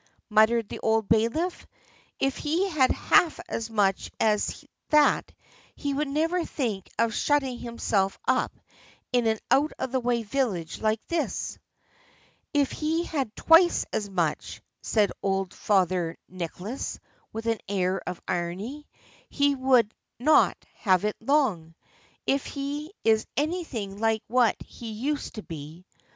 muttered the old bailiff; "if he had half as much as that he would never think of shutting himself up in an out of the way village like this." "If he had twice as much," said old father Nicholas, with an air of irony, "he would not have it long, if he is anything like what he used to be.